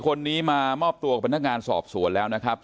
คนนี้มามอบตัวกับพนักงานสอบสวนแล้วนะครับ